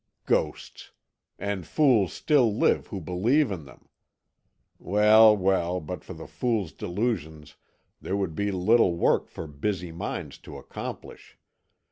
Ghosts! And fools still live who believe in them! Well, well, but for the world's delusions there would be little work for busy minds to accomplish.